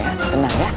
udah nangisnya ya